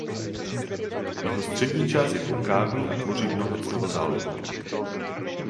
Jeho střední část je konkávní a tvoří dno Hudsonova zálivu.